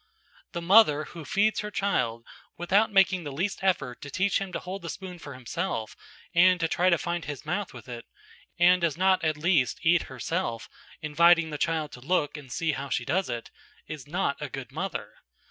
The mother who feeds her child without making the least effort to teach him to hold the spoon for himself and to try to find his mouth with it, and who does not at least eat herself, inviting the child to look and see how she does it, is not a good mother.